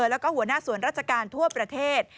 แล้วก็หัวหน้าส่วนราชการทั่วประเทศ